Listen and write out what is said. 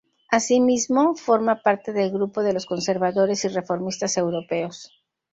Asimismo, forma parte del Grupo de los Conservadores y Reformistas Europeos.